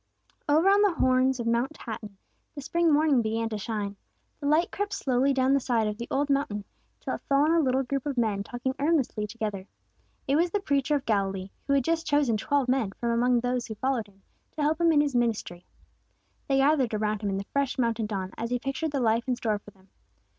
Over on the horns of Mount Hattin, the spring morning began to shine. The light crept slowly down the side of the old mountain, till it fell on a little group of men talking earnestly together. It was the Preacher of Galilee, who had just chosen twelve men from among those who followed Him to help Him in His ministry. They gathered around Him in the fresh mountain dawn, as He pictured the life in store for them.